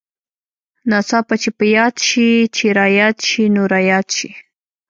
ناڅاپه چې په ياد سې چې راياد سې نو راياد سې.